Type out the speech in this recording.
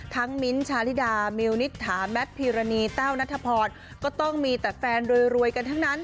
มิ้นท์ชาลิดามิวนิษฐาแมทพีรณีแต้วนัทพรก็ต้องมีแต่แฟนรวยกันทั้งนั้น